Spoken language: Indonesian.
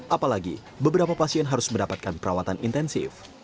apalagi beberapa pasien harus mendapatkan perawatan intensif